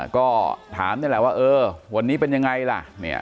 ก็ถามนี่แหละว่าเออวันนี้เป็นยังไงล่ะ